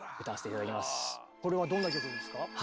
これはどんな曲ですか？